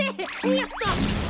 よっと。